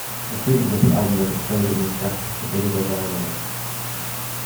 Included with the album was a code and instructions for digital download.